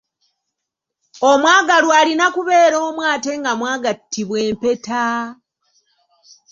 Omwagalwa alina kubeera omu ate nga mwagattibwa empeta.